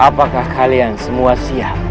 apakah kalian semua siap